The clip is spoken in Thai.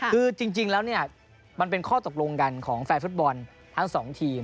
คือจริงแล้วเนี่ยมันเป็นข้อตกลงกันของแฟนฟุตบอลทั้งสองทีม